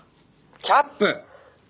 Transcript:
キャップ！